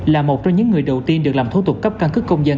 là một trong những người đầu tiên được làm thu tục cấp căn cức công dân